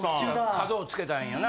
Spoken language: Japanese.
角をつけたいんやな。